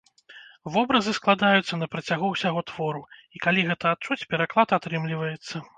Вобразы складаюцца на працягу ўсяго твору, і калі гэта адчуць, пераклад атрымліваецца.